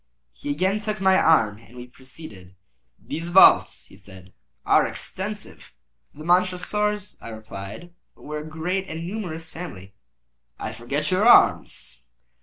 He again took my arm, and we proceeded. "These vaults," he said, "are extensive." "The Montresors," I replied, "were a great and numerous family." "I forget your arms."